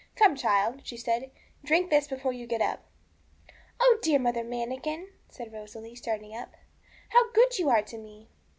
'Come, child,' she said, 'drink this before you get up.' 'Oh, dear Mother Manikin,' said Rosalie, starting up, how good you are to me!'